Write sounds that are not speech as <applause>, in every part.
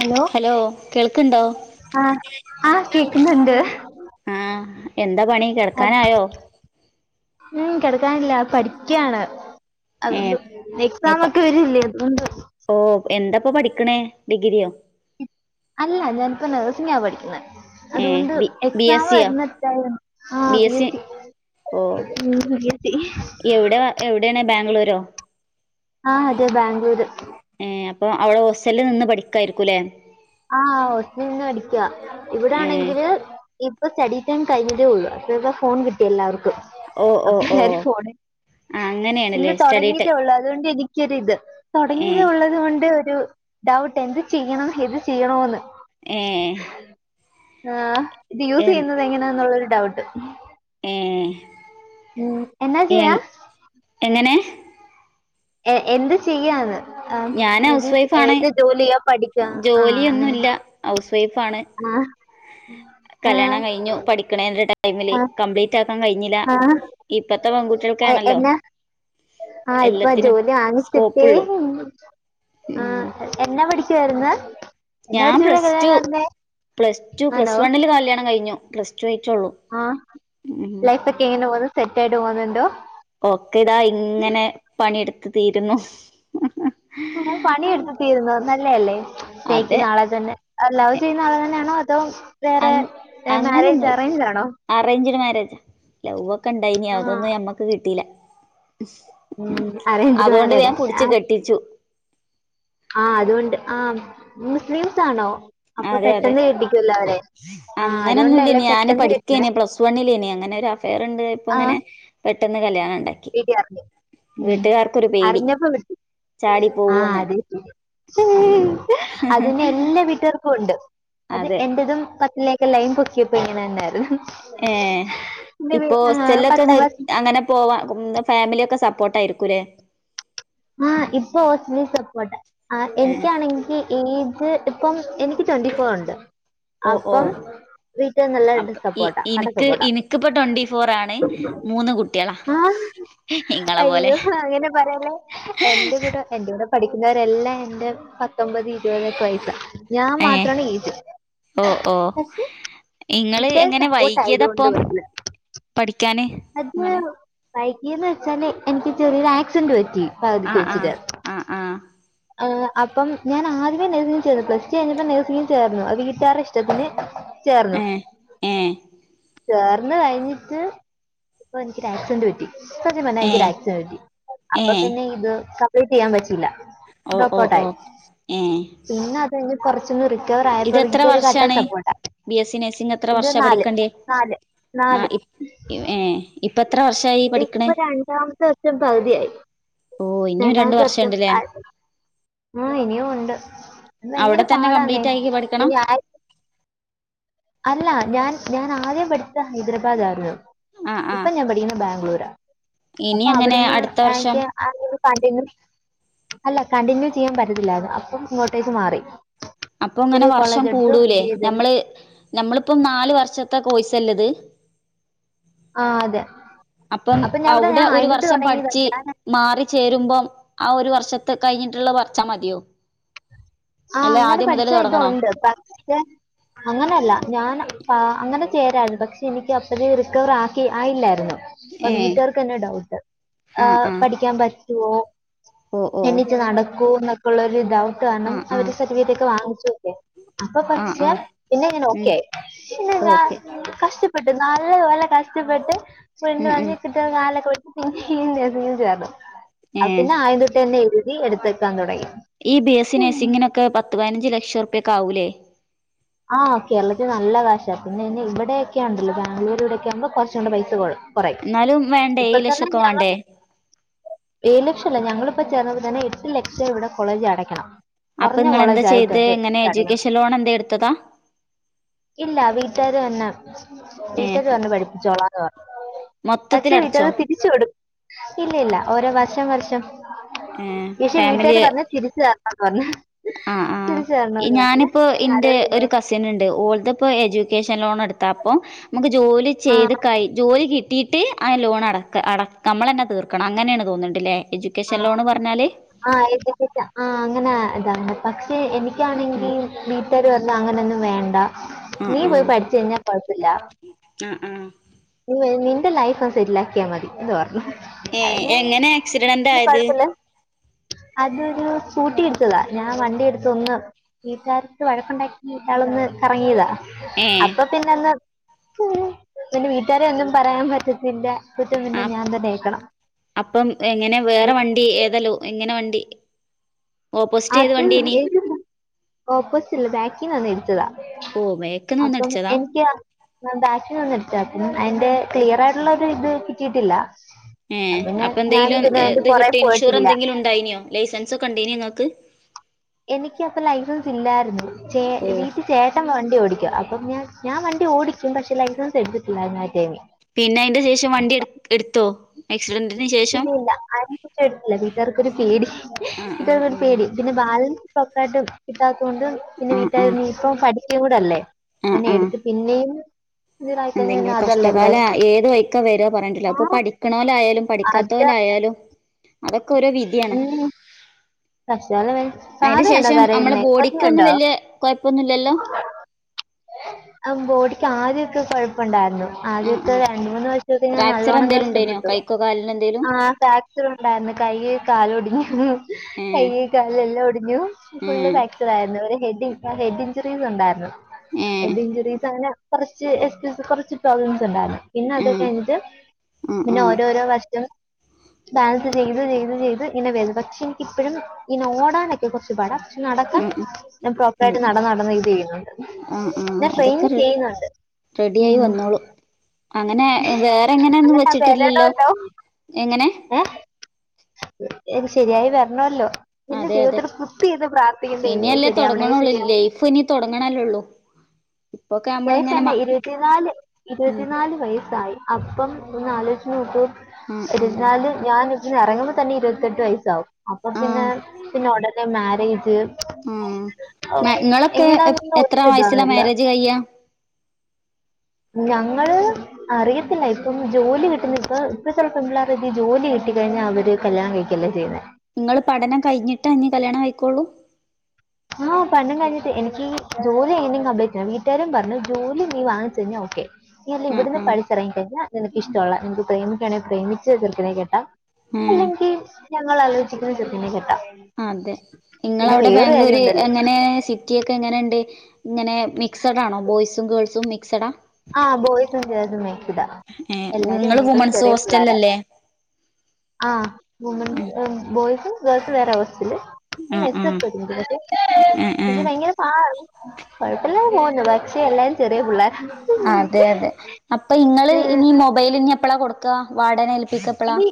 Hello ആ ആ കേക്കുന്നുണ്ട് ആ എന്താ പണി അത് കിടക്കാനായോ ഉം കിടക്കാനില്ല പഠിക്കയാണ് അതുകൊണ്ട് ഏഹ് എക്സാം ഒക്കെ വരുവല്ലേ അതുകൊണ്ട് ഓ എന്താ ഇപ്പ പഠിക്കണേ ഡിഗ്രിയോ അല്ല ഞാനിപ്പ നഴ്സിംഗാ പഠിക്കുന്നേ ഏഹ് അതുകൊണ്ട് ബി ബി എക്സാം എസ് സിയോ വരുന്നിട്ടാ ആ ബി എസ് സി ഓ ഉം ബി എസ് സി എവിടെ എവിടെയാണ് ബാംഗ്ലൂരോ ആ അതെ ബാംഗ്ലൂര് ഏ അപ്പൊ അവിടെ ഹോസ്റ്റലിൽ നിന്ന് പഠിക്കായിരിക്കൂല്ലേ ആ ഹോസ്റ്റലിൽ നിന്ന് പഠിക്ക ഏഹ് ഇവിടാണെങ്കില് ഇപ്പൊ സ്റ്റഡി ടൈം കഴിഞ്ഞതേ ഉള്ളൂ അപ്പൊ ഫോൺ കിട്ടി എല്ലാവർക്കും ഓ ഓ ഓ അപ്പല്ലാരും ഫോണിൽ ആഹ് ഇന്ന് അങ്ങനെയാണല്ലേ സ്റ്റഡി തൊടങ്ങീതെ ടൈ ഉള്ളൂ അതുകൊണ്ട് എനി ക്കിരിത് തുടങ്ങിയത് ഏഹ് ഉള്ളത് കൊണ്ട് ഒരു ഡൗട്ട് എന്ത് ചെയ്യണം ഏത് ചെയ്യണോന്ന് ഏഹ് ആ ഇത് യൂസ് എൻ ചെയ്യുന്നത് എങ്ങനാന്നുള്ളൊരു ഡൗട്ട് ഏഹ് ഉം എന്നാ എൻ ചെയ്യാ എങ്ങനെ ഏ എന്ത് ചെയ്യാന്ന് ആഹ് ഞാൻ ഹൗസ് വൈഫാണ് ഏത് ജോലിയാ പഠിക്കാ ആഹ് ജോലിയൊന്നു അങ്ങനെ ഇല്ല ഹൗസ് ഫാണ് ആഹ് ആഹ് കല്യാണം കഴിഞ്ഞു പഠിക്കണേന്റെ ടൈമില് ആഹ് കംപ്ലീറ്റ് ആക്കാ ൻ കഴിഞ്ഞില്ല ആഹ് ഇപ്പത്തെ പെൺകുട്ടികൾക്കാണല്ലോ ആ ഇപ്പൊ എല്ലാത്തിനും ജോലി <unintelligible> കിട്ട്യേ സ്കോപ്പുള്ളു ആ ഉം എന്നാ പഠിക്കുവായിരുന്ന് എന്നാ ഞാൻ പഠിച്ചപ്പോഴാ പ്ലസ് ടു കല്യാണം നടന്നേ പ്ലസ് ടു പ്ലസ് വണ്ണില് കല്യാണം കഴിഞ്ഞു പ്ലസ് ടു ആയിട്ടുള്ളൂ ആ ഉം ലൈഫക്കെ എങ്ങനെ സെറ്റായിട്ട് പോന്നൊണ്ടോ ഓക്കെതാ ഇങ്ങനെ പണിയെടുത്ത് തീരുന്നു ആ പണിയെടുത്ത് തീരുന്നോ നല്ലയല്ലേ അതെ സ്നേഹിക്കുന്ന ആളെ തന്നെ ലവ് ചെയ്യുന്ന ആളെ തന്നെയാണോ അതോ അ വേറെ മാരേജ് അങ്ങനൊന്നും അറേഞ്ച് ആണോ അറേഞ്ച്ഡ് മാരേജ് ലവ് ഒക്കെ ഇണ്ടായിനി ആ അതൊന്നും ഞമ്മക്ക് കിട്ടിയില്ല അറേഞ്ച്ഡ് അതുകൊണ്ട് മാരേഡ് ഞാൻ പുടിച്ചു കെട്ടിച്ചു ആ അതുകൊണ്ട് ആ മുസ്ലിംസ് ആണോ. അപ്പൊ അതെ അതെ പെട്ടെന്ന് കെട്ടിക്കുമല്ലോ അവരെ ആ അതുകൊണ്ടല്ലേ അങ്ങനൊന്നുല്ലനി ഞാന് പെട്ടെന്ന് പഠിക്കേന കെട്ടുന്നത് പ്ലസ് വണ്ണില് ഇനി അങ്ങനെ ഒരു അഫയർ ഉണ്ട് ഇപ്പൊ ആ ഇങ്ങനെ പെട്ടെന്ന് കല്യാണം ഒണ്ടാക്കി. വീട്ടിൽ അറിഞ്ഞു ഉം. വീട്ടുക്കാർക്കൊരു പേടി അറിഞ്ഞപ്പോ വിട്ടു ചാടി ആ പോവൂന്ന്. അതെ അതിന് എല്ലാ വീട്ടുക്കാർക്കും ഉണ്ട്. അത് അതെ എന്റെതും പത്തിലേക്ക ലൈൻ പൊക്കിയപ്പം ഇങ്ങനെ തന്നെ ആയിരുന്നു. ഏ ഇപ്പോ ഹോസ്റ്റലൊക്കെ പത്താം നിർ ക്ലാസ് അങ്ങനെ പോവാ ഫാമിലിയൊക്കെ സപ് പോട്ടാ എടുക്കൂല്ലേ. ആ ഇപ്പൊ ഓസ്ലി സപ്പോർട്ടാ ആ ആഹ് എനിക്കാണെങ്കിൽ ഇനി ഇപ്പം എനിക്ക് ട്വന്റി ഫോർ ഒണ്ട് ഓ ഓ അപ്പം. വീട്ടില് അപ്പ നല്ല ഇ സപ്പോട്ടാ കട്ട ഇനിക്ക് സപ്പോട്ടാ ഇനിക്കിപ്പോ ട്വന്റി ഫോർ ആണ് മൂന്ന് കുട്ടികളാ ആ. ഇങ്ങളെ പോലെ അയ്യോ അങ്ങനെ പറയല്ലേ. എന്റെ കൂടെ എന്റെ കൂടെ പഠിക്കുന്നവരെല്ലാം എന്റെ പ ത്തൊമ്പത്, ഇരുപതെക്കെ വയസാ ഞാൻ ഏ മാത്രാണ് ഇരു ഓ ഓ ഇങ്ങള് വീട്ടുകാർ എങ്ങനെ സപ്പോർട്ട് ആയതുകൊണ്ട് വൈകിയതപ്പം വരില്ല. പഠിക്കാന് അത് അങ്ങനെ വൈക്കിന്ന് വെച്ചാല് എനിക്ക് ചെറിയൊരു ആക്സിഡന്റ് പറ്റി. ആ ആ ആ ആ. ആ അപ്പം ഞാൻ ആദ്യമേ നഴ്സിങ് ചേർന്നു. പ്ലസ് ടു കഴിഞ്ഞപ്പ നഴ്സിങ്ങിന് ചേർന്നു അതു വീട്ടുകാറെടെ ഇഷ്ടത്തിന് ചേർന്നു. ഏഹ് ഏഹ് ചേർന്ന് കഴിഞ്ഞിട്ട് ഇപ്പ എനിക്ക് ആക്സിഡന്റ് പറ്റി. സത്യം പറഞ്ഞാ എനിക്ക് ഏഹ് ആക്സിഡിന്റ് പറ്റി. അപ്പൊ ഏഹ് പിന്നെ ഇത് കപ്ലീറ്റ് ചെയ്യാൻ പറ്റില്ല. ഓ ഓ ഓ ഡോപ്പോട്ടായി ഏഹ് പിന്നെ അത് കഴിഞ്ഞ് റിക്. റിക്കവർ ഇതെത്ര ആയപ്പംവീട്ടുകാര് കട്ടാ വർഷാണ് സപ്പോർട്ടാ ബി എസ് സി നേഴ്സിംഗ് എത്ര ഇത് വർഷം നാല് പഠിക്കണ്ടിയത്? നാല് നാല് ഏ ഇപ്പം എത്ര വർഷ യായി ഇപ്പം രണ്ടാമത്തെ വർഷം പകുതിയായി. ഓ ഇനിയും രണ്ട് രണ്ടാമത്തെ വർഷം വർഷംണ്ട്ല്ലേ ആയി. ആ ഇനിയും ഒണ്ട്. ഭയങ്കര അവിടെ തന്നെ പാടാന്നേ കംപ്ലീറ്റ് ആക്കി ഈ പഠിക്കണം ആ. അല്ല ഞാൻ ഞാൻ ആദ്യം പഠിച്ചത് ഹൈദരാബാദ് ആരുന്നു. ആഹ് ഇപ്പൊ ആഹ് ഞാൻ പഠിക്കുന്നത് ബാംഗ്ലൂരാ. ഇനി അപ്പൊ എങ്ങനെ അവിടുന്ന് അടുത്ത വർഷം എനിക്ക് ആ കണ്ടിന്യു. അല്ല കണ്ടിന്യൂ ചെയ്യാൻ പറ്റത്തിയില്ലാരുന്നു അപ്പം ഇങ്ങോട്ടേക്ക് മാറി. അപ്പൊ അങ്ങനെ പുതിയ വർഷം കോളേജ് എടുത്തു കൂടൂലേ പുതിയ ഇത് നമ്മള് നമ്മളിപ്പം നാല് വർഷത്തെ കോഴ്സല്ലേ ഇത്. ആ അതെ. അപ്പം അപ്പൊ ഞാൻ ഇവിടെ അവിടെ ഞാൻ ഒരു ആദ്യം തൊട്ട് വർഷം തുടങ്ങിയതാ പഠിച്ച് ഞാൻ മാറി ചേരുമ്പം. ആ ഒരു വർഷത്ത് കഴിഞ്ഞിട്ടുള്ള പറിച്ചാമതിയോ? ആ അങ്ങനെ പഠിച്ച ഇതെണ്ട് പക്ഷേ അങ്ങനെയല്ല ഞാൻ അങ്ങനെ ചേരായിരുന്നു. പക്ഷെ എനിക്ക് അപ്പഴെ റിക്കവർ ആക്കി ആയില്ലായിരുന്നു. അപ്പ ഏ വീട്ടുകാർക്ക് തന്നെ ഡൗട്ട് ആഹ് ആഹ് പഠിക്കാൻ പറ്റുവോ. ഓ ഓ എണീറ്റ് നടക്കൂവോ എന്നൊക്കെള്ള ഒരു ഡൗട്ട് കാരണം. ആഹ് അവരുടെ ആഹ് സർട്ടിഫിക്കേറ്റ് ഒക്കെ വാങ്ങിച്ചു വെക്കുവേ അപ്പൊ ആഹ് പക്ഷെ ആഹ് പിന്നെ ഞാൻ ഉം ഓക്കെയായി ഓക്കെ കഷ്ട പ്പെട്ട് നല്ല പോലെ കഷ്ടപ്പെട്ട് പിന്നെ ഉം ഉം വന്ന് കാല്ക്കെ <unintelligible> പിന്നെ നഴ്സിങ്ങിന് ചേർന്നു. ഏ അ പിന്നെ ആദ്യം തൊട്ട് തന്നെ എഴുതി എടുത്ത് വയ്ക്കാൻ തെടങ്ങി. ഈ ബി എസ് സി നഴ്സിംഗിനൊക്കെ പത്ത് പതിനഞ്ച് ലക്ഷം റുപി ഒക്കെ ആവുലേ. ആ കേരളത്തിൽ നല്ല കാശാ പിന്നെന്നെ ഇവിടെയൊക്കൊയെണ്ടല്ലോ ബാംഗ്ലൂരുവിടെയൊക്കെ ആമ്പോ കുറച്ചുകൂടി പൈസ കെറയും കെറയും എന്നാലും വേണ്ടേ ഏഴ് ഇപ്പം തന്നെ ലക്ഷൊക്കെ ഞാൻ വേണ്ടേ ഏഴ്ല ഞങ്ങളിപ്പോ ചേർന്നത് തന്നെ എട്ട് ലക്ഷം ഇവിടെ കോളേജില് അടക്കണം. അപ്പൊ കെറഞ്ഞ നിങ്ങൾ എന്താ കോളേജായിട്ട് ആയിട്ട് ചെയ്ത് തന്നെ ഇങ്ങനെ എട്ട് അടക്കണം. എഡ്യൂക്കേഷൻ ലോൺ എന്താ എടുത്തതാ ഇല്ല വീട്ടുക്കാര് തന്നെ ഏ വീട്ടുക്കാര് വന്ന് പഠിപ്പിച്ചോളാം. മൊത്തത്തിൽ പച്ചേ അടച്ചോ വീട്ടുകത് തിരിച്ചു കൊടുക്കും ഇല്ല ഇല്ല ഓരോ വർഷം വർഷം ഏ യഷേ വീട്ടുകാര് ഫാമിലി പറഞ്ഞ് തിരിച്ച തരണം പറഞ്ഞ് തിരിച്ച് തരണംന്ന് പറഞ്ഞ് ന്റെ ഒരു കസിന്ണ്ട് ഓൾത്പ്പോ എഡ്യൂക്കേഷൻ ലോൺ എടുത്തപ്പൊ നമുക്ക് ജോലി ആ ചെയ്ത് കയി ജോലി കിട്ടി കിട്ടയിട്ട് ആ ലോൺ അട അട നമ്മൾ തന്നെ തീർക്കണം അങ്ങനേണ് തോന്ന്ണ്ട്ല്ലേ ആ ആ <unintelligible> അങ്ങനെ <unintelligible> പക്ഷേ ഉം എനിക്കാണെങ്കിൽ വീട്ടുകാര് പറഞ്ഞു അങ്ങനെയൊന്നും വേണ്ട ആഹ് നീ പോയി ആഹ് പഠിച്ച് കഴിഞ്ഞാ കൊഴപ്പല്ല ആഹ് ആഹ് <unintelligible> ന്റെ ലൈഫ് സെറ്റിലാക്കിയാൽ മതി എന്ന് പറഞ്ഞു ഏ അതിന് എങ്ങനെ ആക്സിഡന്റ് ആയത് <unintelligible> അതൊരു സ്കൂട്ടി ഇടിച്ചതാ ഞാൻ വണ്ടി എടുത്ത് ഒന്ന് വീട്ടുകരാടുത്ത് വഴക്കുണ്ടാക്കിട്ടാള ഒന്ന് കറങ്ങിയതാ ഏഹ് അപ്പൊ പിന്നെ ഒന്ന് <inaudible> വീട്ടുകാരെ ഒന്നും പറയാൻ പറ്റത്തില്ല <unintelligible> പിന്നെ ആഹ് ഞാൻ തന്നെ ഏക്കണം പിന്നെ വേറെ വണ്ടി ഏതല്ലോ എങ്ങനെ വണ്ടി ഓപ്പോസിറ്റ് ഏത് അത് വണ്ടിയേനി <unintelligible> ബാക്കിലന്ന് ഇടിച്ചതാ ഓഹ് ബേക്ക്ന്ന് അപ്പം വന്നിടിച്ചതാ എനിക്ക് <unintelligible> പേപ്പർ അയ്ന്റെ ക്ലിയർ ആയിട്ടുള്ളത് ഇത് കിട്ടിയിട്ടില്ല ഏ പിന്നെ അപ്പൊ ഞാനും എന്തെങ്കിലും പിന്നെ അതിന്റെ ഇത് പുറകെ കിട്ടിയ ഇൻഷൂറ് പോയിട്ടില്ല എന്തെങ്കിലും ഉണ്ടായിനോ ലൈസൻസ് ഒക്കെ ഉണ്ടെയ്നോ നിങ്ങക്ക് എനിക്ക് അപ്പൊ ലൈസൻസ് ഇല്ലായിരുന്നു ചേ ഓഹ് രീതി ചേട്ടൻ വേണ്ട വണ്ടി ഓടിക്ക അപ്പ ഞൻ ഞാൻ വണ്ടി ഓടിക്കും പക്ഷേ ലൈസൻസ് എടുത്തിട്ടില്ലായിരുന്നു ആ ടൈമിൽ പിന്നെ അതയ്ന്റെ ശേഷം വണ്ടി എടു എടുത്തോ ആക്സിഡന്റിന് ശേഷം ഇല്ലല്ല അയ്‌ന്റേഷം എടുത്തില്ല വീട്ടാർക്കരു പേടി ആഹ് വീട്ടാർടക്കൊരു ആഹ് പേടി പിന്നെ ബാലൻ <unintelligible> പിന്നെ ആഹ് ആഹ് വീട്ടുകാർ ആഹ് <unintelligible> ഇപ്പ പഠിക്കൂടല്ലേ ആഹ് പിന്നെ ആഹ് എടുത്ത് പിന്നെയും ഇതിലായിക്കഴിഞ്ഞാൽ എന്തെങ്കിലും അതല്ലേ കഷ്ടകാല പ്രശ്നം ഏത് വഴിക്കാ വരാ പറയാൻ പറ്റൂല ആ അപ്പൊ പഠിക്കണോലായാലും അത് പഠിക്കാത്തോലായാലും അതൊക്കെ ഓരോ വിധയാണ് ഉം കഷ്ടകാലം അതിന് കാവയുണ്ടോ ശേഷം നമ്മള കരയുന്നേ ബോഡിക്കൊന്നും കൊഞ്ഞുണ്ടോ വല്ല്യ കൊഴപ്പൊന്നുല്ലല്ലോ <unintelligible> ആ ബോടിക്ക് ആദ്യൊക്കെ കൊഴപ്പണ്ടായിരുന്നു ആഹ് ആദ്യത്തെ ആഹ് രണ്ട് മൂന്ന് വർഷൊക്കെ ഞാൻ ഫ്രാക്ചർ നല്ലോണം എന്തേലും ഉണ്ടേനോ കഷ്ടപ്പെട്ടു കൈക്കോ കാലിനോ എന്തേലും ആ ഫാക്ചർ ഉണ്ടായിന്ന് കയ്യ് കാല് ഒടിഞ്ഞു ഏഹ് കയ്യ് കാല് എല്ലാം ഒടിഞ്ഞു ഫുള്ള് ഏഹ് ഫ്രാക്ചർ ആയിരുന്നുഒരു ഹെഡ് ഹെഡ് ഇഞ്ചുറീസ് ഉണ്ടായിരുന്നു ഏഹ് ഹെഡ് ഇഞ്ചുറീസ് അങ്ങനെ കുറച്ച് എ കുറച്ച് പ്രോബ്ലംസ് ഉണ്ടായിരുന്നു പിന്നെ ഏഹ് അതൊകഴിഞ്ഞിട്ട് ആഹ് പിന്നെ ആഹ് ഓരോരോ വർഷവും ബാലൻസ് ചെയ്ത് ചെയ്ത് ചെയ്ത് ഇങ്ങനെ വേ പക്ഷേ എനിക്ക് ഇപ്പഴും ഇന്നേ ഓടാനൊക്കെ കൊർച്ച് പാടാ പക്ഷേ നടക്കാൻ ഉം ഉം ഞാൻ പ്രോപ്പറായിട്ട് ഉം നടന്ന് നടന്ന് ഇത് ചെയ്യുന്നുണ്ട് ഞാൻ ട്രെയിൻ ചെയ്യുന്നുണ്ട് റെഡി ആയി വന്നോളും അങ്ങനെ വേറെ എങ്ങനെയ ഒന്നും അങ്ങനെ വെച്ചിട്ടില്ലല്ലോ വരണല്ലോ എങ്ങനെ ഇത് ശരിയായി വരണല്ലോ അതെ അതെ ദൈവമേ ഇനിയല്ലേ ശരിയാവണേ തൊടങ്ങ്ണൊള്ളൂ ശരിയാവണേ ലൈഫ് ഇനി തൊടങ്ങ്ണല്ലേള്ളൂ <unintelligible> ലൈഫ് <unintelligible> ഇരുപത്തി നാല് ഉം ഇരുപത്തി നാല് വയസ്സായി അപ്പം ഒന്നാലോജിച്ച് നോക്ക് ആഹ് ഇരുപതിനാല് ഞാന് ഇതിന്ന് ഇറങ്ങുമ്പോ തന്നെ ഇരുപത്തെട്ട് വയസ്സാവും അപ്പൊ ആഹ് പിന്നെ ആഹ് പിന്നെ ഉടനെ മാരേജ് ആഹ് ഓ നിങ്ങളൊക്കെ എങ്ങനാന്നും എത്ര വയസ്സിലാ <unintelligible> മാരേജ് കഴിയാ ഞങ്ങള് അറിയത്തില്ല ഇപ്പം ജോലി കിട്ടുന്ന ഇപ്പ ഇപ്പ ചെല പെൺപിള്ളേര് ജോലി കി കഴിഞാ അവര് കല്ലിയാണം കഴിക്കല്ലേ ചെയ്യുന്നെ ങ്ങള് പഠനം കഴിഞ്ഞിട്ടാ ഞ്ഞി കല്യാണം കയി ക്കൊള്ളൂ? ആഹ പഠനം കഴിഞ്ഞിട്ട്. എനിക്കീ ജോലി യും <unintelligible> വീട്ടുകാരും പറഞ്ഞു ജോലി നീ വാങ്ങിച്ചു കഴിഞ്ഞ ഓക്കെ ല്ല ആഹ് ഇവിടുന്ന് ആഹ് പഠിച്ചിറങ്ങിഴിഞ്ഞാൽ, നിനക്ക് ഇഷ്ട്ടൊള്ള നിനക്ക് പ്രേമിക്കണെ പ്രേമിച്ച് ചെർക്കനെ കേട്ടാം ഉം അല്ലെങ്കി ഞങ്ങൾ ആലോചിക്കുന്ന ചെ ർക്കനെ കേട്ടാം. അതെ. നിങ്ങ അവിടെ ബാംഗ്ലൂര് ഉണ്ടല്ലോ എങ്ങനെ സിറ്റിയൊക്കെ എങ്ങനെണ്ട് ഇങ്ങനെ മിക്സഡാണോ? ബോയ്സും ഗേൾസും മിക്സഡാ? ആഹ ബോയ്സും, ഗേൾസും മിക്സിഡ. ഏഹ് എല്ലാരും നിങ്ങള് എന്നെക്കാളും വുമൺസ് ചെറിയ പിള്ളോര ഹോസ്റ്റലല്ലേ ആ വുമന്സും, ബോയ്സും, ഗേൾസും വേറെ വേറെ സുകൂളില് ആഹ് ആഹ് ആഹ് ആഹ് <unintelligible> കൊഴപ്പല്ലാതെ പോന്ന്, പക്ഷെ എല്ലാം ചെറിയ പുള്ളാരാ. അതെ അതെ അപ്പൊ ഇങ്ങള് ഏഹ് ഇനി മൊബൈല് ഇനി എപ്പഴാ കൊടുക്ക, വാടനെ പിക പ്പളാ? ഇനി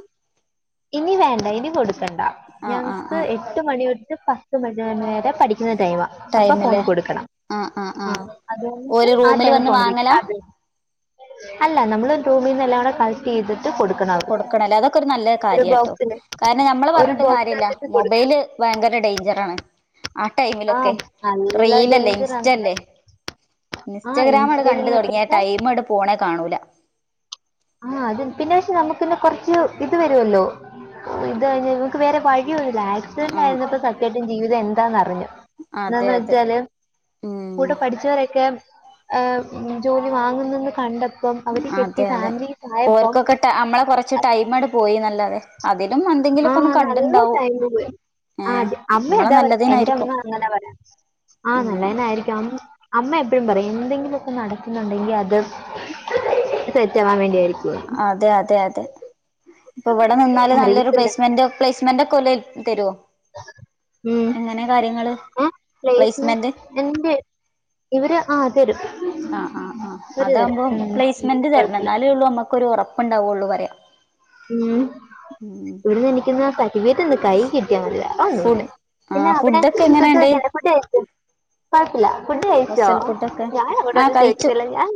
ഇനി വേണ്ട. ഇനി കൊടുക്കണ്ട. ആഹ് ആഹ് ഞങ്ങക്ക് ആഹ് എട്ട് മണിയൊട്ട്, പത്ത് മണിരെ പഠിക്ക ടൈമാ അപ്പൊ ഫോൺ ടൈമില് കൊടുക്കണം. ആഹ് ആഹ് ആ ആഹ് അത് ഒരു റൂമിൽ വന്ന് വാങ്ങലാ കൈഞ്ഞിട്ട് <unintelligible> അല്ല നമ്മള് റൂമിന്ന് എല്ലാം കൂടെ കളക്ട് ചെയ്തിട്ട് കൊടുക്കണം അവർക്ക് കൊടുക്കണല്ലേ? അതൊക്കെ ഒരു നല്ല കാ ഒരു കാര്യട്ടോ ബോക്സില് കാരണം നമ്മള് ഒരു പറഞ്ഞിട്ടും ബോക്സ് കാര്യല്ല, ആക്കിട്ട് കൊടുക്കണം മൊബൈല് ഭയങ്കര ഡൈഞ്ചറാണ്. ആ ആ ടൈമിലൊക്കെ നല്ല റീലല്ലേ? ഡേഞ്ചർ ആണ് ഇൻസ്റ്റല്ലേ? ആ ഇൻസ്റ്റഗ്രാ മണ്ട് ഇൻസ്റ്റയിൽ കണ്ട് ഇങ്ങനെ തൊടങ്ങിയ പിന്നെ ടൈമ മണ്ട്‌ പോണേ കാണൂല. ആഹ അത് പിന്നെ. പക്ഷെ നമുക്ക്ന്നെ കൊറച്ച് ഇത് വരുമല്ലോ ഇത്ക്ക് വേറെ വ ല്ല ആക്സിഡന്റ് ആഹ് ആയിരുന്നപ്പോ സത്യായിട്ടും ജീവിതം എന്താന്നറിഞ്ഞു. അതെ എന്താന്ന് അതെ വെച്ചാല് ഉം കൂടെ പഠിച്ചവരൊക്കെ ജോലി വാങ്ങുന്നുന്ന് കണ്ടപ്പം അവർ കെട്ടി അതെ അതെ ഫാമിലീസ് ആയപ്പം ഓർകൊക്കട്ട നമ്മളെ കുറച്ച് ടൈമണ്ട് പോയി നല്ലാതെ അതി ആഹ് നല്ല ടൈമില് ആ ഏ അത. അമ്മ നമ്മളെ അതാ പറയാ എന്റെ നല്ലതിനായിരിക്കും അമ്മ അങ്ങനെ പറയാം ആഹ ഉം നല്ലതി നായിരിക്കും അമ്മ എപ്പഴും പറയും. എന്തെങ്കിലുമൊക്കെ നടക്കുന്നുണ്ടെങ്കി അത് സെറ്റാവാൻ വേണ്ടി അതെ, അതെ, അതെ ഇപ്പൊ ഇവിടെ നിന്നാല് നല്ലൊരു അറിയത്തില്ല പ്ലേസ്മെന്റ് ഒക്കെ സ്മന്റ് ഒക്കെ ഓല് തരോ? ഉം. ഏ പലേസിന് പ്ലേസ്മെന്റ് എന്റെ ഇവര് ആഹ് തരും ആഹ്. ആ്, ആ ഇവര് തരും അതകുമ്പോം ഉം പിന്നെ പ്ലേസ്മെന്റ് തരണം. കൊഴപ്പില്ല എന്നാലേ ഉള്ളൂ നമ്മുക്കൊരു ഒറപ്പുണ്ടാവുള്ളൂ പറയാം. ഉം. ഇവിടുന്ന് എനിക്കെന്ന സർട്ടിഫിക്കറ്റ് ഒന്ന് കയ്യി കിട്ടിയാ മതി. ഫുഡ് <unintelligible> ആ പിന്നെ അവിടെ ഫുഡൊക്കെ എങ്ങനെയുണ്ട് <unintelligible> കൊ ഴപ്പില്ല ഫുഡ് കഴിച്ചോ? ഹോസ്റ്റൽ ഫുഡൊക്കെ ഞാന ആ അവിടൊന്നും കഴിച്ചു ചോദിക്കുന്നില്ല. ഞാൻ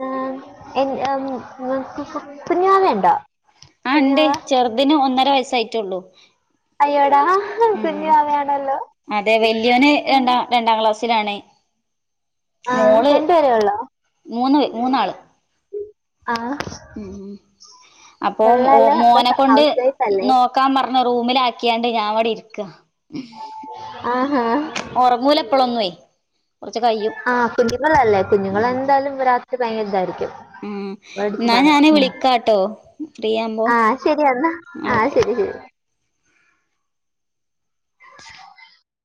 ആ. <unintelligible> ആ ണ്ട്. ചെർതിന് ഒന്നര വയസായിട്ട്ടൊള്ളു അയ്യോടാ ഉം. ഉം കുഞ്ഞുമാവയാണല്ലോ അതെ വല്യോന് രണ്ടാം രണ്ടാം ക്ലാസ് ലാണ്. ആ മോള് രണ്ടുപേരേ ഉള്ളോ മൂന്ന് മൂന്നാള്. ആഹ. ഉം അപ്പൊ ഓ മോനെ കൊണ്ട് വൈഫ് അല്ലേ നോക്കാൻ പറഞ്‌ റൂമിൽ ആക്കിയാണ്ട് ഞാൻ വിടെ ഇരി ആഹാ ഒർങ്ങൂല പ്പളൊന്നെ. ആഹ കുഞ്ഞുങ്ങളല്ലേ കുഞ്ഞുങ്ങള ഉം ന്തായാലും രാത്രി ഭയങ്കര ഇതായി രിക്കും ഉം. ന്നാ ഞാന് വിളിക്കാട്ടോ? ഫ്രീ ആവുമ്പോ ആഹ ശരിയെ ന്നാ. ആഹ ഓക്കെ ശരി, ശരി. <inaudible>